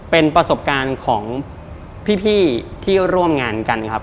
เป็นประสบการณ์ของพี่ที่ร่วมงานกันครับ